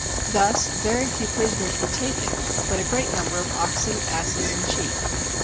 Thus very few prisoners were taken, but a great number of oxen, asses, and sheep.